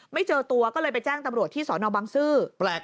ไม่เจอตัวก็เลยไปแจ้งตำรวจที่สบังซื้อ